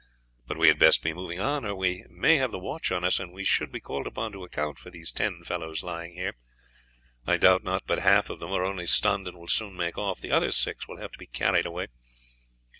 But we had best be moving on or we may have the watch on us, and we should be called upon to account for these ten fellows lying here. I doubt not but half of them are only stunned and will soon make off, the other six will have to be carried away.